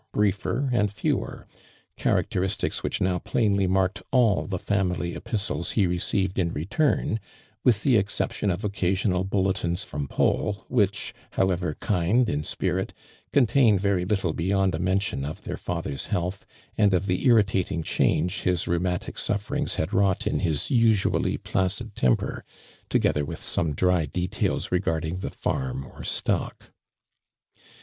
briefer and fewer, characteristics Which now plainly marked all the family «pistles he received in return, with the c^odption of occasional bulletins from Paul wHich, however kind in spirit, contained vety little beyond a mention of their father's health, and of the irritating change his rheumatic sufferings had wrought in his usually placid temper, together with some dry details regarding the farm or stock.